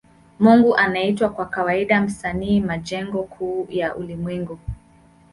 Mungu anaitwa kwa kawaida Msanii majengo mkuu wa ulimwengu.